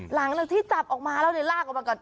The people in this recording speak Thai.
หลังจากที่จับออกมาแล้วเลยลากออกมาก่อน